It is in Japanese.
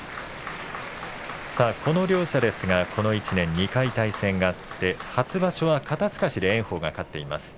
この両者ですがこの１年、２回対戦があって初場所は肩すかしで炎鵬が勝っています。